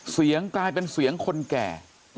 เสียงกลายเป็นเสียงคนแก่